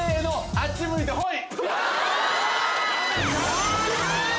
・あっち向いてホイ！